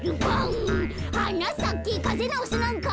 「はなさけかぜなおすなんか」